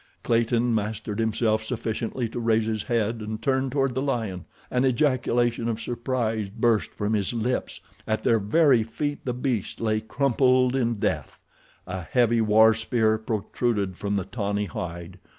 Clayton mastered himself sufficiently to raise his head and turn toward the lion. An ejaculation of surprise burst from his lips. At their very feet the beast lay crumpled in death. A heavy war spear protruded from the tawny hide.